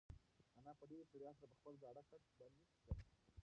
انا په ډېرې ستړیا سره پر خپل زاړه کټ باندې کښېناسته.